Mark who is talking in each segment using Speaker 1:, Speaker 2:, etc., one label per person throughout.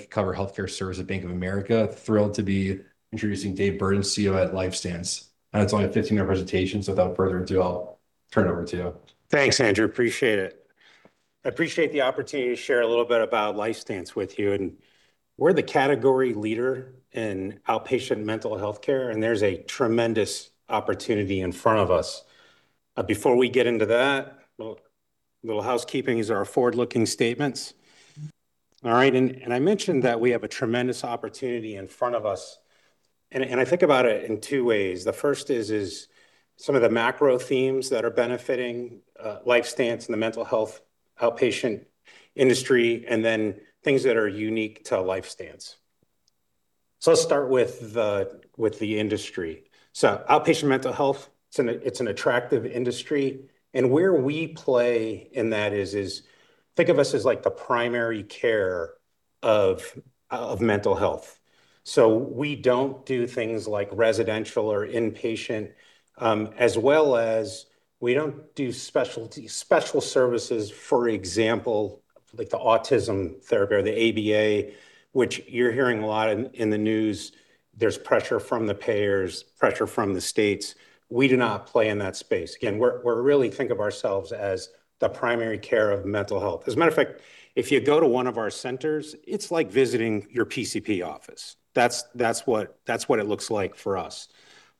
Speaker 1: I cover healthcare service at Bank of America. Thrilled to be introducing Dave Bourdon, CEO at LifeStance. It's only a 15-minute presentation, so without further ado, I'll turn it over to you.
Speaker 2: Thanks, Andrew. Appreciate it. I appreciate the opportunity to share a little bit about LifeStance with you. We're the category leader in outpatient mental health care, and there's a tremendous opportunity in front of us. Before we get into that, a little housekeeping is our forward-looking statements. All right. I mentioned that we have a tremendous opportunity in front of us, and I think about it in two ways. The first is some of the macro themes that are benefiting LifeStance and the mental health outpatient industry, and then things that are unique to LifeStance. Let's start with the industry. Outpatient mental health, it's an attractive industry, and where we play in that is think of us as like the primary care of mental health. We don't do things like residential or inpatient, as well as we don't do special services, for example, like the autism therapy or the ABA, which you're hearing a lot in the news. There's pressure from the payers, pressure from the states. We do not play in that space. Again, we're really think of ourselves as the primary care of mental health. As a matter of fact, if you go to one of our centers, it's like visiting your PCP office. That's what it looks like for us.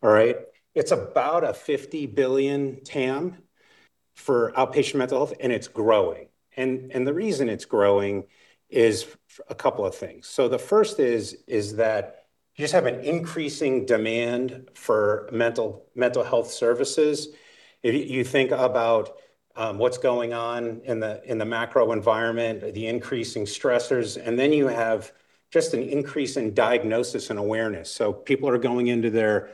Speaker 2: All right? It's about a $50 billion TAM for outpatient mental health, it's growing. The reason it's growing is a couple of things. The first is that you just have an increasing demand for mental health services. You think about what's going on in the macro environment, the increasing stressors, and then you have just an increase in diagnosis and awareness. People are going into their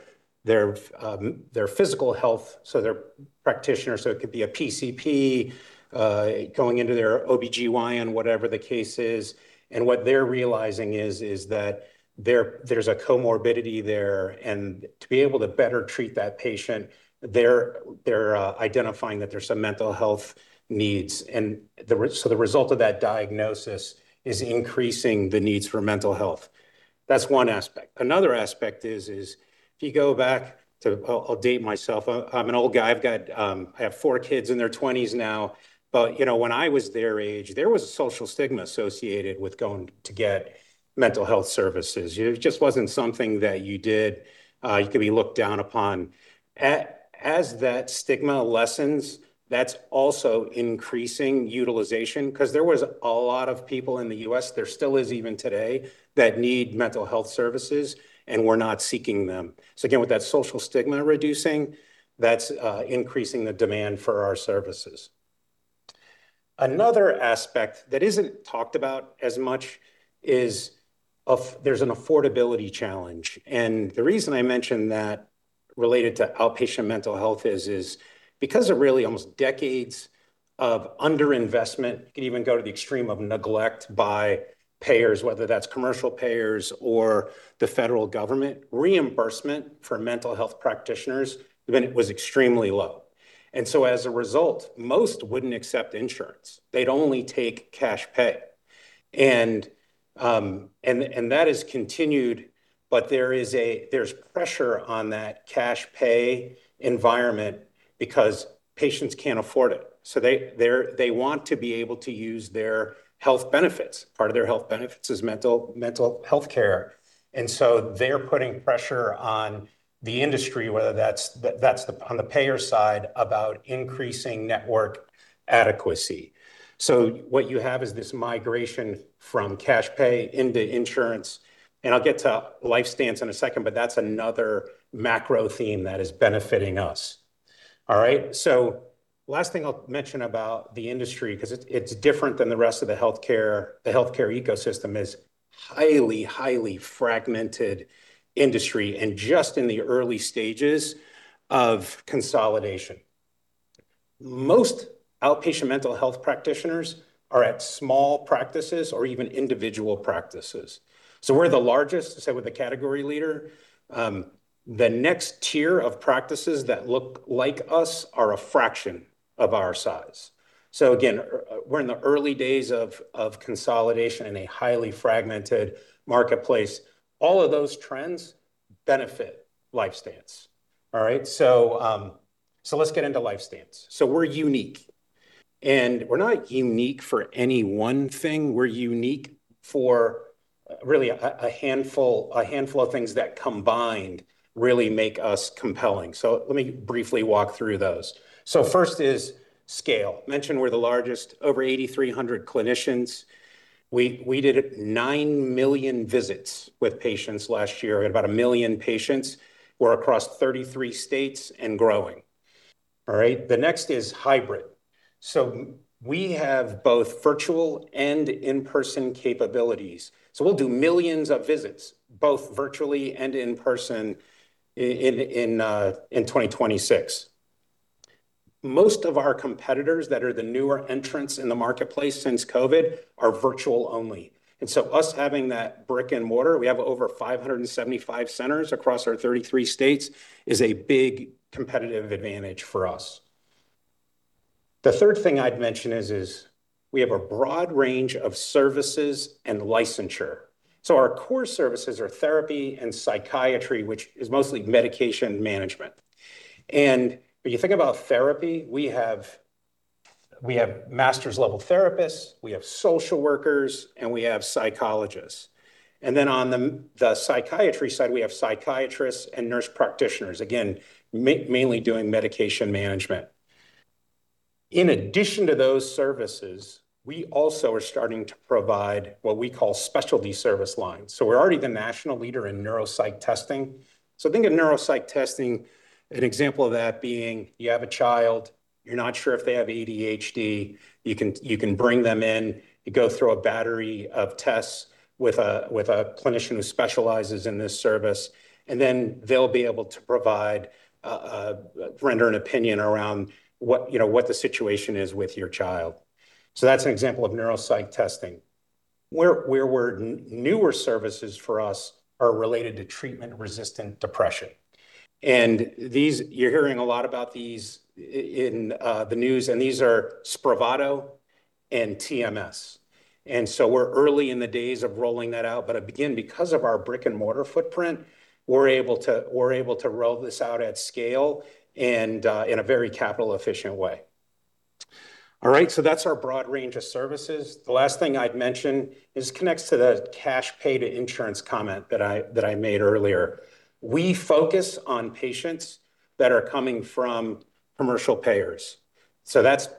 Speaker 2: physical health, so their practitioner, so it could be a PCP, going into their OBGYN, whatever the case is, and what they're realizing is that there's a comorbidity there. To be able to better treat that patient, they're identifying that there's some mental health needs. The result of that diagnosis is increasing the needs for mental health. That's one aspect. Another aspect is if you go back to I'll date myself. I'm an old guy. I've got, I have four kids in their 20s now, but, you know, when I was their age, there was a social stigma associated with going to get mental health services. It just wasn't something that you did. You could be looked down upon. As that stigma lessens, that's also increasing utilization because there was a lot of people in the U.S., there still is even today, that need mental health services, and were not seeking them. Again, with that social stigma reducing, that's increasing the demand for our services. Another aspect that isn't talked about as much is there's an affordability challenge. The reason I mention that related to outpatient mental health is because of really almost decades of underinvestment, you could even go to the extreme of neglect by payers, whether that's commercial payers or the federal government, reimbursement for mental health practitioners, I mean, it was extremely low. As a result, most wouldn't accept insurance. They'd only take cash pay. That has continued, but there's pressure on that cash pay environment because patients can't afford it. They want to be able to use their health benefits. Part of their health benefits is mental health care. They're putting pressure on the industry, whether that's on the payer side, about increasing network adequacy. What you have is this migration from cash pay into insurance, and I'll get to LifeStance in a second, but that's another macro theme that is benefiting us. All right? Last thing I'll mention about the industry, because it's different than the rest of the healthcare, the healthcare ecosystem is highly fragmented industry and just in the early stages of consolidation. Most outpatient mental health practitioners are at small practices or even individual practices. We're the largest, say, we're the category leader. The next tier of practices that look like us are a fraction of our size. Again, we're in the early days of consolidation in a highly fragmented marketplace. All of those trends benefit LifeStance. All right? Let's get into LifeStance. We're unique, and we're not unique for any one thing. We're unique for really a handful of things that combined really make us compelling. Let me briefly walk through those. First is scale. Mentioned we're the largest, over 8,300 clinicians. We did 9 million visits with patients last year. We had about 1 million patients. We're across 33 states and growing. All right? The next is hybrid. We have both virtual and in-person capabilities. We'll do millions of visits, both virtually and in person in 2026. Most of our competitors that are the newer entrants in the marketplace since COVID are virtual only. Us having that brick-and-mortar, we have over 575 centers across our 33 states, is a big competitive advantage for us. The third thing I'd mention is we have a broad range of services and licensure. Our core services are therapy and psychiatry, which is mostly medication management. When you think about therapy, we have master's level therapists, we have social workers, and we have psychologists. On the psychiatry side, we have psychiatrists and nurse practitioners, again, mainly doing medication management. In addition to those services, we also are starting to provide what we call specialty service lines. We're already the national leader in neuro psych testing. Think of neuro psych testing, an example of that being you have a child, you're not sure if they have ADHD. You can bring them in. You go through a battery of tests with a clinician who specializes in this service, and then they'll be able to provide, render an opinion around what, you know, what the situation is with your child. That's an example of neuropsych testing. Newer services for us are related to treatment-resistant depression, and these. You're hearing a lot about these in the news, and these are SPRAVATO and TMS. We're early in the days of rolling that out. Because of our brick-and-mortar footprint, we're able to roll this out at scale and in a very capital efficient way. That's our broad range of services. The last thing I'd mention is connects to the cash pay to insurance comment that I made earlier. We focus on patients that are coming from commercial payers. That's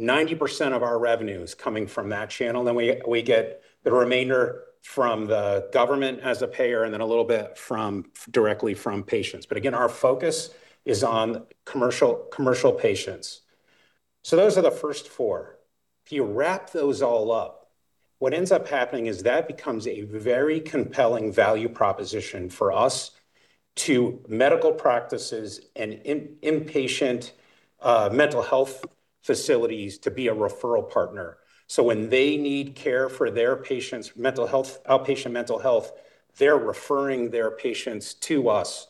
Speaker 2: 90% of our revenue is coming from that channel. We get the remainder from the government as a payer, a little bit directly from patients. Again, our focus is on commercial patients. Those are the first four. If you wrap those all up, what ends up happening is that becomes a very compelling value proposition for us to medical practices and inpatient mental health facilities to be a referral partner. When they need care for their patients, outpatient mental health, they're referring their patients to us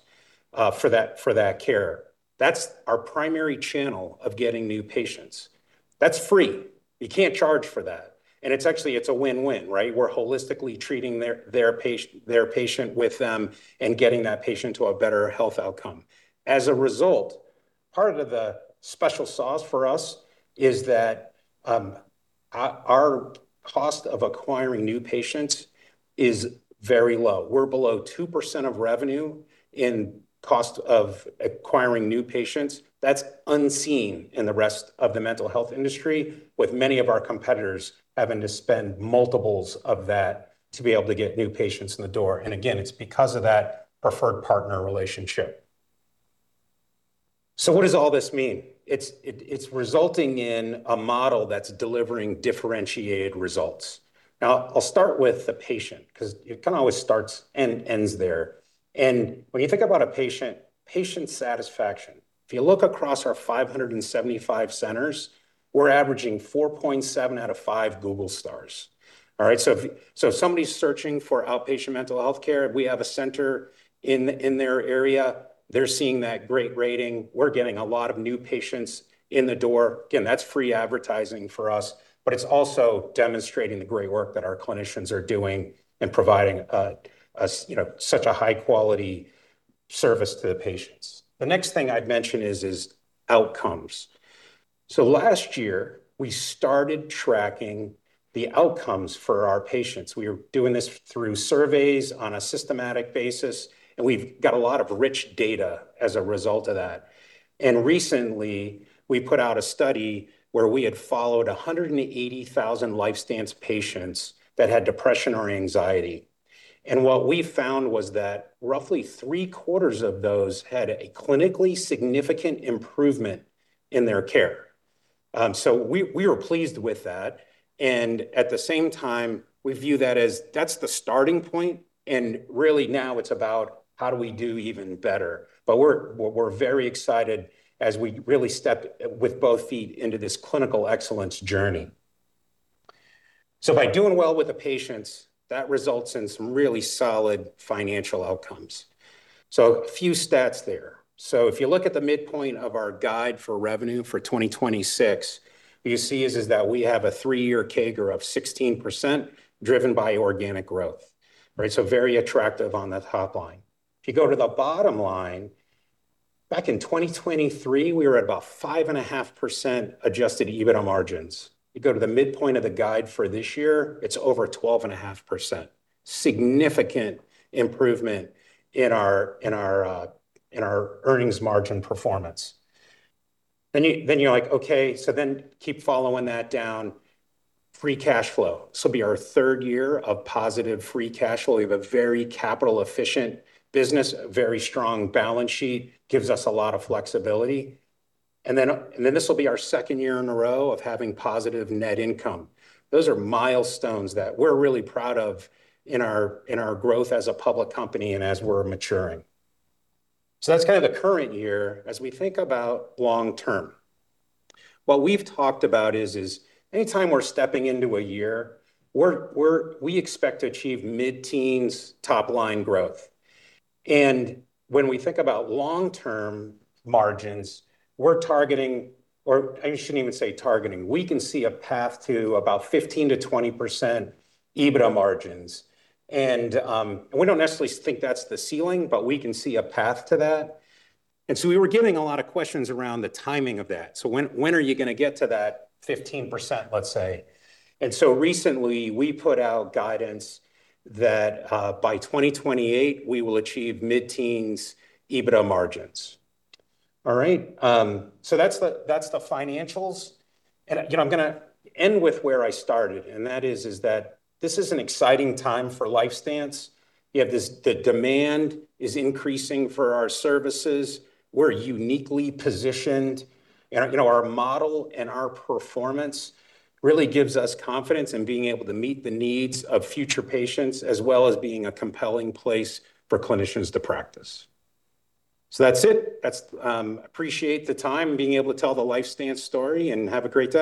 Speaker 2: for that care. That's our primary channel of getting new patients. That's free. You can't charge for that. It's actually, it's a win-win, right? We're holistically treating their patient with them and getting that patient to a better health outcome. As a result, part of the special sauce for us is that our cost of acquiring new patients is very low. We're below 2% of revenue in cost of acquiring new patients. That's unseen in the rest of the mental health industry, with many of our competitors having to spend multiples of that to be able to get new patients in the door. Again, it's because of that preferred partner relationship. What does all this mean? It's resulting in a model that's delivering differentiated results. I'll start with the patient, 'cause it kinda always starts and ends there. When you think about a patient satisfaction, if you look across our 575 centers, we're averaging 4.7 out of five Google stars. All right. If somebody's searching for outpatient mental health care, if we have a center in their area, they're seeing that great rating. We're getting a lot of new patients in the door. Again, that's free advertising for us, but it's also demonstrating the great work that our clinicians are doing in providing, you know, such a high quality service to the patients. The next thing I'd mention is outcomes. Last year, we started tracking the outcomes for our patients. We are doing this through surveys on a systematic basis, and we've got a lot of rich data as a result of that. Recently, we put out a study where we had followed 180,000 LifeStance patients that had depression or anxiety. What we found was that roughly three-quarters of those had a clinically significant improvement in their care. We were pleased with that. At the same time, we view that as that's the starting point, and really now it's about how do we do even better. We're very excited as we really step with both feet into this clinical excellence journey. By doing well with the patients, that results in some really solid financial outcomes. A few stats there. If you look at the midpoint of our guide for revenue for 2026, what you see is that we have a three-year CAGR of 16%, driven by organic growth. Right? Very attractive on the top line. If you go to the bottom line, back in 2023, we were at about 5.5% adjusted EBITDA margins. You go to the midpoint of the guide for this year, it's over 12.5%. Significant improvement in our earnings margin performance. You're like, "Okay," keep following that down. Free cash flow. This will be our third year of positive free cash flow. We have a very capital efficient business, a very strong balance sheet, gives us a lot of flexibility. This will be our second year in a row of having positive net income. Those are milestones that we're really proud of in our growth as a public company and as we're maturing. That's kind of the current year as we think about long-term. What we've talked about is anytime we're stepping into a year, we expect to achieve mid-teens top line growth. When we think about long-term margins, we're targeting, or I shouldn't even say targeting. We can see a path to about 15%-20% EBITDA margins. We don't necessarily think that's the ceiling, but we can see a path to that. We were getting a lot of questions around the timing of that. When, when are you gonna get to that 15%? Let's say. Recently, we put out guidance that by 2028, we will achieve mid-teens EBITDA margins. All right. That's the financials. You know, I'm gonna end with where I started, and that is that this is an exciting time for LifeStance. You have the demand is increasing for our services. We're uniquely positioned. You know, our model and our performance really gives us confidence in being able to meet the needs of future patients, as well as being a compelling place for clinicians to practice. That's it. That's, appreciate the time and being able to tell the LifeStance story, and have a great day.